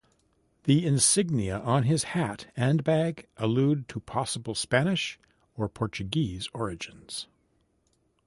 The insignia on his hat and bag allude to possible Spanish or Portuguese origins.